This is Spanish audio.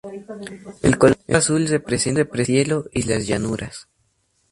El color azul representa el cielo y las llanuras.